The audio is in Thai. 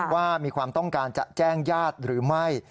ว่ามีความต้องการจะแจ้งญาติหรือไม่